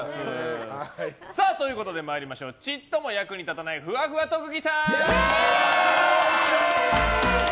参りましょうちっとも役に立たないふわふわ特技さん！